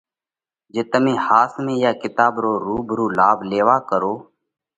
جي تمي ۿاس ۾ اِيئا ڪِتاٻ رو ڀرپُور لاڀ ليوا ڪروھ